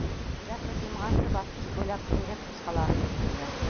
Күҙ асып йомғансы баҫҡыс буйлап диңгеҙ сусҡалары килеп төшә.